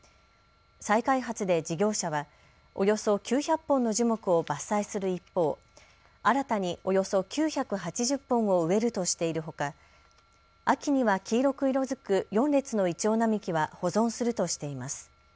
再開発で事業者はおよそ９００本の樹木を伐採する一方、新たにおよそ９８０本を植えるとしているほか秋には黄色く色づく４列のイチョウ並木は保存するとしています。